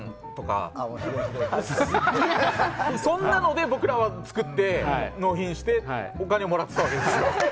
僕らはそんなので作って納品してお金をもらっていたわけですよ。